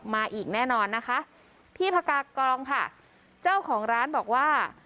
มาอีกแน่นอนนะคะพี่พกากองค่ะเจ้าของร้านบอกว่า